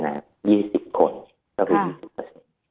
๒๐คนก็คือ๒๐